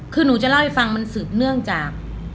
คือหนูจะเล่าให้ฟังมันสืบเนื่องจาก